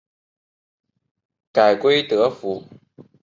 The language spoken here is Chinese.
改归德府。